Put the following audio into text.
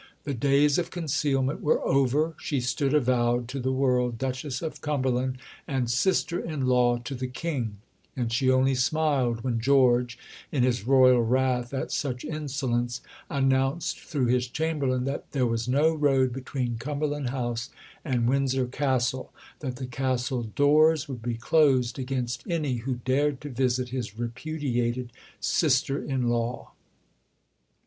The days of concealment were over; she stood avowed to the world, Duchess of Cumberland and sister in law to the King; and she only smiled when George, in his Royal wrath at such insolence, announced through his Chamberlain that "there was no road between Cumberland House and Windsor Castle that the Castle doors would be closed against any who dared to visit his repudiated sister in law."